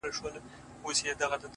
زه د دردونو د پاچا په حافظه کي نه يم;